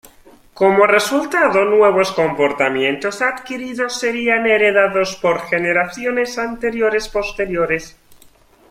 Como resultado, nuevos comportamientos adquiridos serían heredados por generaciones posteriores.